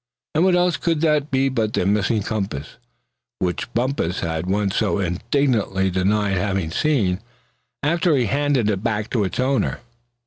And what else could that be but the missing compass, which Bumpus had once so indignantly denied having seen, after he handed it back to its owner?